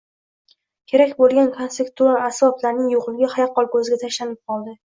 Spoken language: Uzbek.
kerak bo‘lgan konseptual asboblarning yo‘qligi yaqqol ko‘zga tashlanib qoldi.